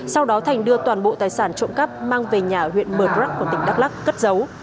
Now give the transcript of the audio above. sau đó thành đưa toàn bộ tài sản trộm cắp mang về nhà huyện mờ đắt của tỉnh đắk lắc cất giấu